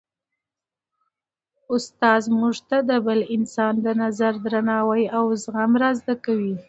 استاد موږ ته د بل انسان د نظر درناوی او زغم را زده کوي.